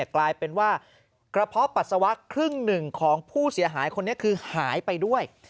กลายเป็นว่ากระเพาะปัสสาวะครึ่งหนึ่งของผู้เสียหายคนนี้คือหายไปด้วย